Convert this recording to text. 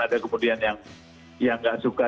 ada kemudian yang nggak suka